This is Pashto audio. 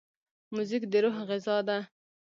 موزیک د روح غذا ده.